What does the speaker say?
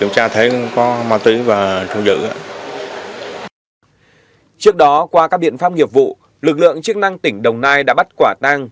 trước đó qua các biện pháp nghiệp vụ lực lượng chức năng tỉnh đồng nai đã bắt quả tang